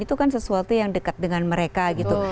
itu kan sesuatu yang dekat dengan mereka gitu